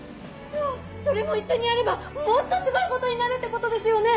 じゃあそれも一緒にやればもっとすごいことになるってことですよね！